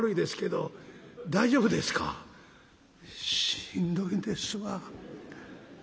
「しんどいんですわ」。